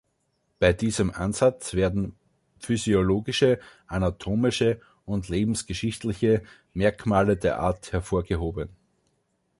Bei diesem Ansatz werden physiologische, anatomische und lebensgeschichtliche Merkmale der Art hervorgehoben.